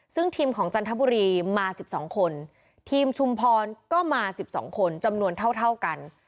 ซึ่งทีมของจันทบุรีมา๑๒คนทีมชุมพรก็มา๑๒คนจำนวนเท่ากัน